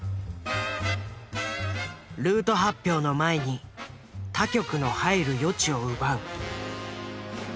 ルート発表の前に他局の入る余地を奪う。